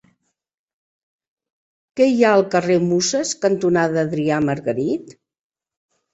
Què hi ha al carrer Muses cantonada Adrià Margarit?